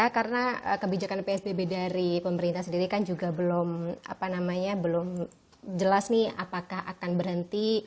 karena kebijakan psbb dari pemerintah sendiri kan juga belum jelas nih apakah akan berhenti